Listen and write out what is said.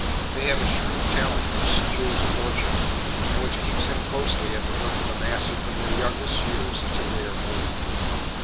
They have a shrewd talent which secures a fortune, and which keeps them closely at the work of amassing from their youngest years until they are old.